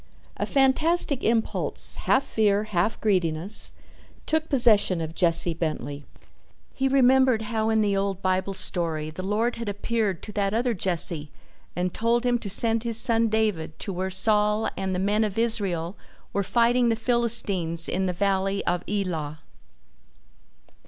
A fantastic impulse, half fear, half greediness, took possession of Jesse Bentley. He remembered how in the old Bible story the Lord had appeared to that other Jesse and told him to send his son David to where Saul and the men of Israel were fighting the Philistines in the Valley of Elah.